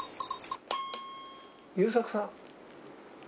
優作さん。